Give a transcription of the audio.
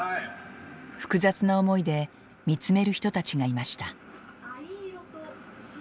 複雑な思いで見つめる人たちがいました。